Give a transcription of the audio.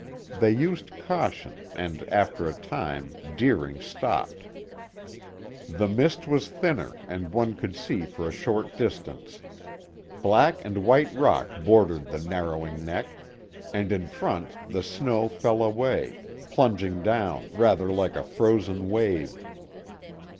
They used caution and after a time Deering stopped. The mist was thinner and one could see for a short distance. Black and white rock bordered the narrowing neck, and in front the snow fell away, plunging down rather like a frozen wave.